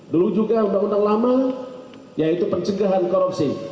dulu juga undang undang lama yaitu pencegahan korupsi